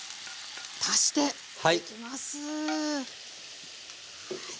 足していきます。